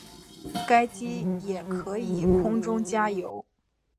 该机也可以空中加油。